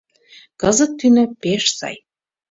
Кызыт тӱнӧ пеш сай.